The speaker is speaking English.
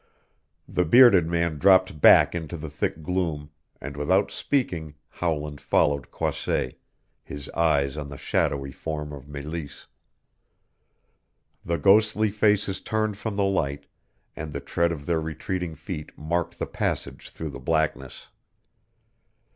The bearded man dropped back into the thick gloom, and without speaking Howland followed Croisset, his eyes on the shadowy form of Meleese. The ghostly faces turned from the light, and the tread of their retreating feet marked the passage through the blackness.